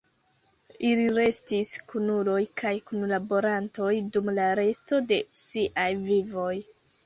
Ili restis kunuloj kaj kunlaborantoj dum la resto de siaj vivoj.